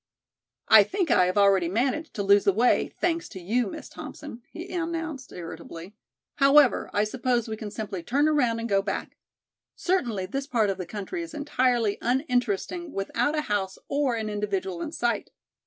"I think I have already managed to lose the way, thanks to you, Miss Thompson," he announced irritably, "However, I suppose we can simply turn around and go back. Certainly this part of the country is entirely uninteresting without a house or an individual in sight.